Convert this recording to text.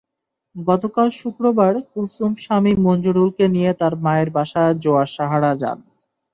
গতকাল শুক্রবার কুলসুম স্বামী মনজুরুলকে নিয়ে তাঁর মায়ের বাসা জোয়ারসাহারা যান।